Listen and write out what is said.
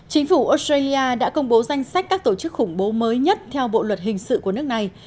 chính phủ australia đã công bố danh sách các tổ chức khủng bố mới nhất theo bộ luật hình sự của nước này